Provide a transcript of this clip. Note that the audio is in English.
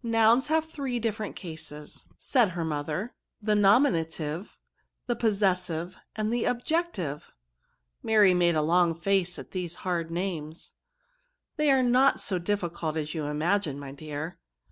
'' Nouns have three different cases," said N 3 138 NOUNS. hCT motlier ;'^ the Nominative, the Posses* sive, and the Objective,^* Mary made a long face at these hard names* ^^ They are not so difficult as you imagine, my dear.